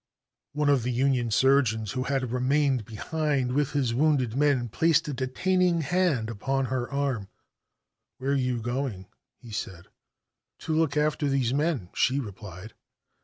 One of the Union surgeons who had remained behind with his wounded men, placed a detaining hand upon her arm. "Where are you going?" he said. "To look after these men," she replied.